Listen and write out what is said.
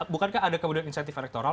bukankah ada kemudian insentif elektoral